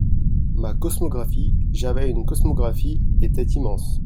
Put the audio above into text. Ma cosmographie, j'avais une cosmographie, était immense.